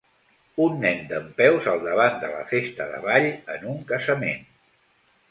Un nen dempeus al davant de la festa de ball en un casament.